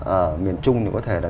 ở miền trung thì có thể là